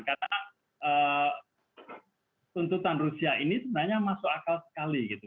karena tuntutan rusia ini sebenarnya masuk akal sekali gitu